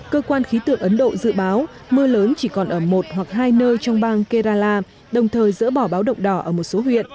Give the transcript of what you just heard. cơ quan khí tượng ấn độ dự báo mưa lớn chỉ còn ở một hoặc hai nơi trong bang karala đồng thời dỡ bỏ báo động đỏ ở một số huyện